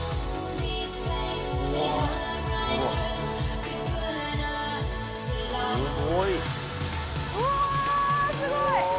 うわすごい！ええ！？